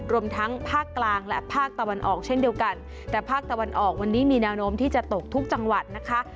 รวมทั้งภาคกลางและภาคตะวันออกเช่นเดียวกันแต่ภาคตะวันออกวันนี้มีแนวโน้มที่จะตกทุกจังหวัดนะคะ